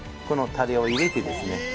このたれを入れてですね